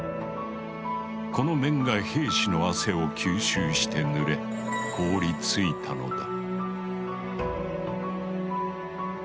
この綿が兵士の汗を吸収して濡れ凍りついたのだ。